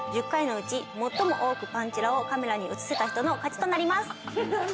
１０回のうち最も多くパンチラをカメラに映せた人の勝ちとなります。